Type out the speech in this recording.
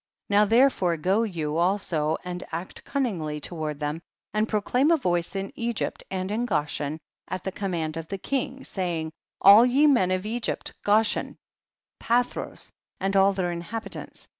9. Now therefore go you also and act cunningly toward them, and pro claim a voice in Egypt and in Goshen at the command of the king, saying, 10. All ye men of Egypt, Goshen, Pathros and all their inhabitants